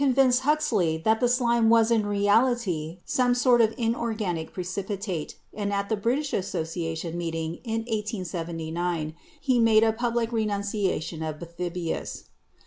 vinced Huxley that the slime was in reality some sort of inorganic precipitate, and at the British Association meet ing in 1879 ne ma de a public renunciation of Bathybius.